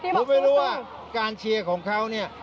ผมไม่รู้ว่าการเชียร์ของเขาเนี่ย